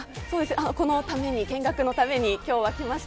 この見学のために今日は来ました。